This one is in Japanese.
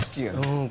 うん。